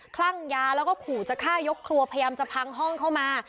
คลั่งยาแล้วก็ขู่จะฆ่ายกครัวพยายามจะพังห้องเข้ามา